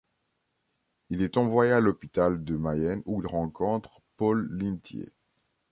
Il est envoyé à l’hôpital de Mayenne où il rencontre Paul Lintier.